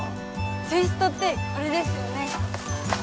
ツイストってこれですよね？